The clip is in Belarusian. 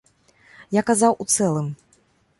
Я казаў у цэлым.